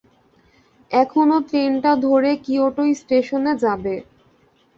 এখনো ট্রেনটা ধরে কিয়োটো স্টেশনে যাবে।